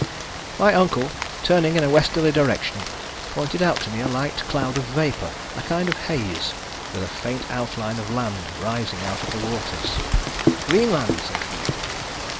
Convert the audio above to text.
My uncle, turning in a westerly direction, pointed out to me a light cloud of vapor, a kind of haze, with a faint outline of land rising out of the waters. "Greenland!" said he.